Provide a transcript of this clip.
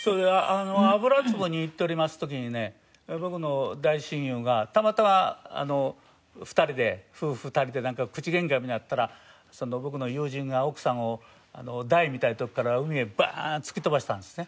油壺に行っております時にね僕の大親友がたまたま２人で夫婦２人でなんか口ゲンカになったらその僕の友人が奥さんを台みたいなとこから海へバーン突き飛ばしたんですね。